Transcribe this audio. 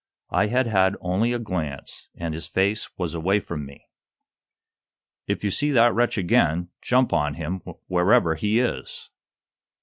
I had had only a glance, and his face was away from me." "If you see that wretch again, jump on him wherever he is."